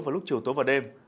vào lúc chiều tối và đêm